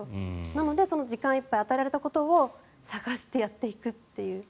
なので時間いっぱい与えられたことを探してやっていくという。